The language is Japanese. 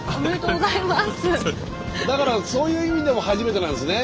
だからそういう意味でも初めてなんですね。